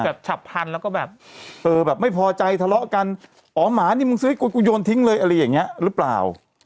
ฉับพันธุ์แล้วก็แบบเออแบบไม่พอใจทะเลาะกันอ๋อหมานี่มึงซื้อให้กูกูโยนทิ้งเลยอะไรอย่างเงี้ยหรือเปล่า